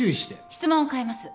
質問を変えます。